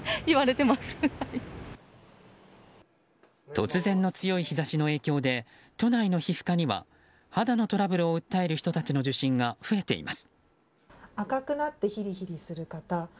突然の強い日差しの影響で都内の皮膚科には肌のトラブルを訴える人たちの受診が増えています。